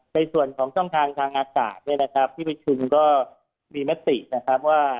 ในส่วนของช่องทางทางอากาศเนี่ยนะครับที่ประชุมก็มีมตินะครับว่า